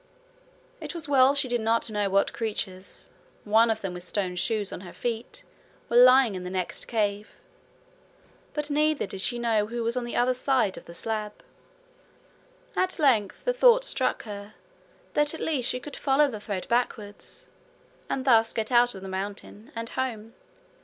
It was well she did not know what creatures, one of them with stone shoes on her feet, were lying in the next cave. But neither did she know who was on the other side of the slab. At length the thought struck her that at least she could follow the thread backwards, and thus get out of the mountain, and home.